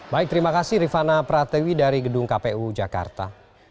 baik terima kasih rifana pratewi dari gedung kpu jakarta